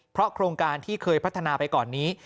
เพราะโครงการที่เคยพัฒนาไปก่อนนี้